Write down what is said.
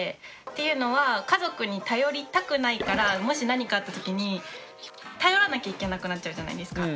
というのは家族に頼りたくないからもし何かあった時に頼らなきゃいけなくなっちゃうじゃないですか。